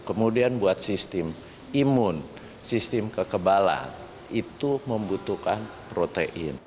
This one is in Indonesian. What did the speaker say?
kemudian buat sistem imun sistem kekebalan itu membutuhkan protein